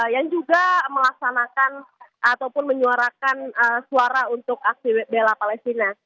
yang juga melaksanakan ataupun menyuarakan suara untuk aksi bela palestina